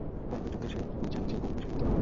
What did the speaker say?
ভালোবাসার যুদ্ধে যে কোনও কিছুই হতেই পারে।